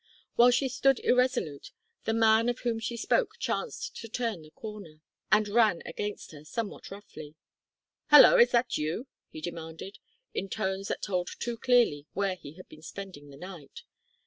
While she stood irresolute, the man of whom she spoke chanced to turn the corner, and ran against her, somewhat roughly. "Hallo! is that you?" he demanded, in tones that told too clearly where he had been spending the night.